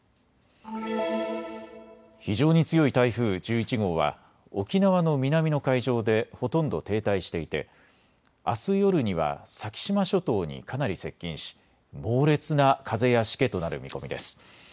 非常に強い台風１１号は沖縄の南の海上でほとんど停滞していてあす夜には先島諸島にかなり接近し猛烈な風やしけとなる見込みです。